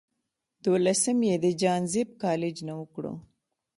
دولسم ئې د جهانزيب کالج نه اوکړو